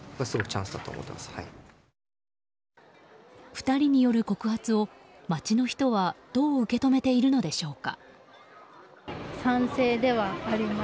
２人による告発を、街の人はどう受け止めているのでしょうか。